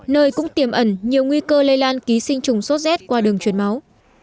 nơi cũng tiềm ẩn nhiều nguy cơ lây lan ký sinh trùng sốt rét qua đường chuyển máu